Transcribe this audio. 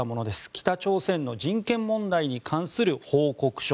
北朝鮮の人権問題に関する報告書。